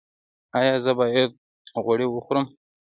ایا زه باید غوړي وخورم؟